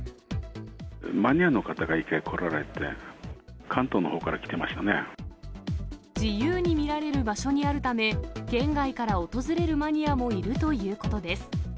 マニアの方が一回来られて、自由に見られる場所にあるため、県外から訪れるマニアもいるということです。